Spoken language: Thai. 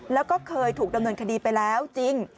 แล้วก็เคยถูกดำเนินคดีไปแล้วจริง